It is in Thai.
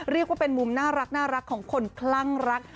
เรียกว่าเป็นมุมน่ารักของคนคลั่งรัก